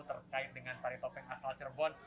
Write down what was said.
terkait dengan tari topeng asal cirebon